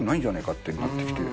ってなってきて。